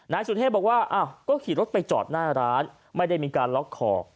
นายสุเทพบอกว่าก็ขี่รถไปจอดหน้าร้านไม่ได้มีการล็อกคอ